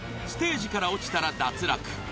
ステージから落ちたら脱落。